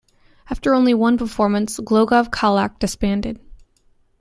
After only one performance Glogov Kolac, disbanded.